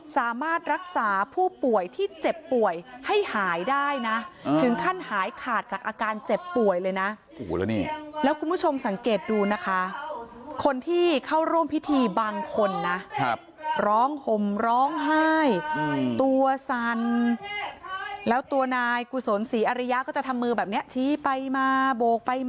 สามารถรักษาผู้ป่วยที่เจ็บป่วยให้หายได้นะถึงขั้นหายขาดจากอาการเจ็บป่วยเลยนะ